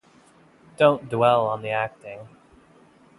Don't dwell on the acting.